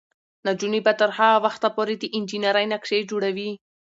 نجونې به تر هغه وخته پورې د انجینرۍ نقشې جوړوي.